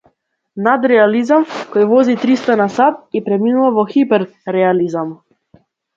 Надреализам кој вози триста на сат и преминува во хипер-реализам!